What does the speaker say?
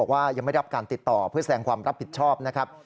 ว่ายังไม่รับการติดต่อเพื่อแสดงความรับผิดชอบนะครับ